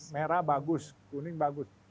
merah bagus kuning bagus